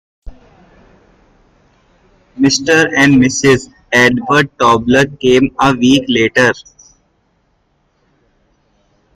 Mr. and Mrs. Edward Tobler came a week later.